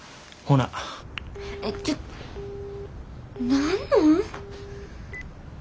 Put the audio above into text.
何なん。